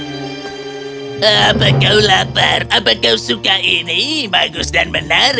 apa kau lapar apa kau suka ini bagus dan menarik